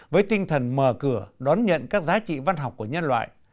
với tinh thần mở cửa đón nhận các giá trị văn học của nhân loại